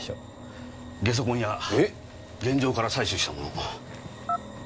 ゲソ痕や現場から採取したもの。